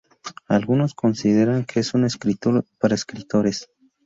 Algunos consideran que es "un escritor para escritores".